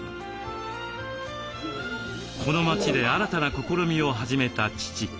この街で新たな試みを始めた父。